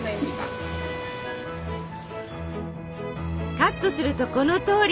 カットするとこのとおり。